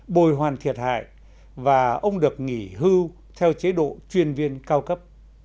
bồi hoàn thiệt hại và ông được nghỉ hưu theo chế độ chuyên viên cao cấp